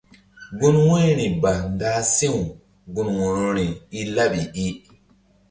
Gun wu̧yri ba ndah si̧w gun wo̧rori i laɓi i.